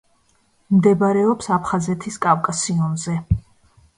მდებარეობს აფხაზეთის კავკასიონზე.